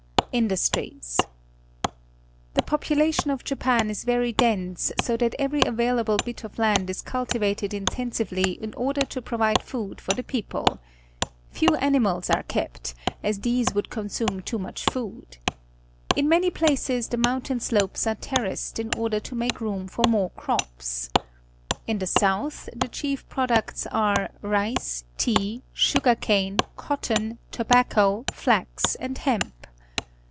Industries. — The population of Japan is vpry dense, so that every available bit of land is cultivated intensively in order to provide food for the people. Few animals are kept, as these would consume too much food. In many places the mountain slopes ai"e terraced in order to make room for more JAPAN 221 crops. In the south the chief products are rice, te a , Sn^ar C pnp^ p.nttnn, tnhafp.n, fla.Y^ and hemp.